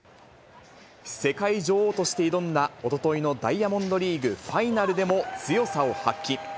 世界女王として挑んだおとといのダイヤモンドリーグファイナルでも強さを発揮。